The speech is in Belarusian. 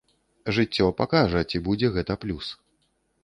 Жыццё пакажа, ці будзе гэта плюс.